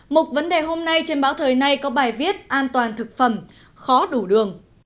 một vấn đề hôm nay trên báo thời này có bài viết an toàn thực phẩm khó đủ đường